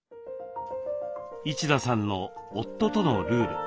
一田さんの夫とのルール。